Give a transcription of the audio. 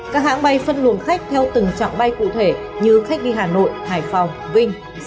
các hãng bay phân luận khách theo từng chặng bay cụ thể như khách đi hà nội hải phòng vinh sẽ đi một lần riêng